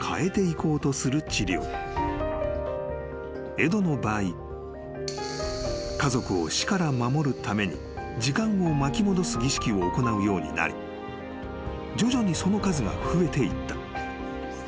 ［エドの場合家族を死から守るために時間を巻き戻す儀式を行うようになり徐々にその数が増えていった］